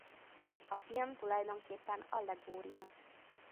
A film tulajdonképpen allegória.